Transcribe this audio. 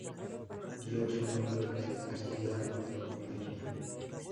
Dio su nombre a la dinastía merovingia.